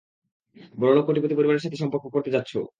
বড়লোক কোটিপতি পরিবারের সাথে সম্পর্ক করতে যাচ্ছো।